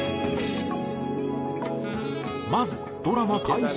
まずドラマ開始